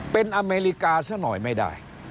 เป็นอเมริกาซะหน่อยไม่ได้